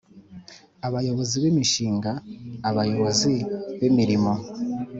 Abayobozi B Imishinga Abayobozi B Imirimo